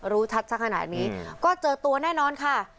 รู้ชัดสักขนาดนี้ก็เจอตัวแน่นอนค่ะ